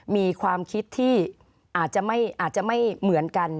มีความคิดที่อาจจะไม่เหมือนกัน